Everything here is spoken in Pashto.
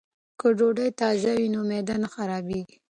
که ډوډۍ تازه وي نو معده نه خرابیږي.